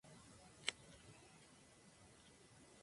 Fue precedida por otra dominicana Marianne Cruz.